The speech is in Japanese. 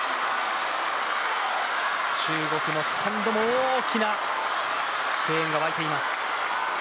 中国のスタンドも大きな声援が沸いています。